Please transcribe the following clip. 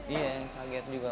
iya kaget juga